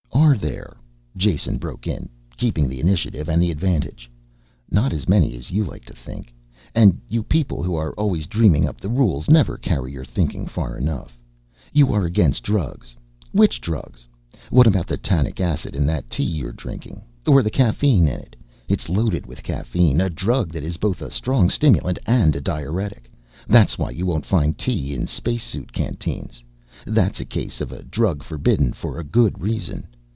"Are there?" Jason broke in, keeping the initiative and the advantage. "Not as many as you like to think. And you people who are always dreaming up the rules never carry your thinking far enough. You are against drugs. Which drugs? What about the tannic acid in that tea you're drinking? Or the caffeine in it? It's loaded with caffeine a drug that is both a strong stimulant and a diuretic. That's why you won't find tea in spacesuit canteens. That's a case of a drug forbidden for a good reason.